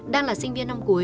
đang là sinh viên năm cuối